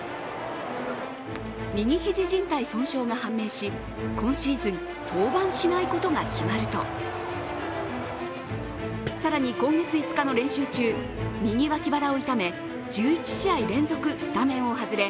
右肘じん帯損傷が判明し今シーズン、登板しないことが決まると更に今月５日の練習中、右脇腹を痛め１１試合連続スタメンを外れ